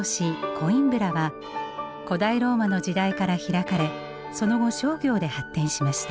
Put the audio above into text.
コインブラは古代ローマの時代から開かれその後商業で発展しました。